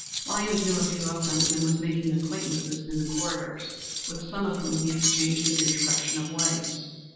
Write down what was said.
Lyons knew a few of them, and was making acquaintances in the corridors, with some of whom he exchanged an introduction of wives.